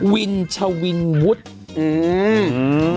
วินชวินวุจย์ฮืมมม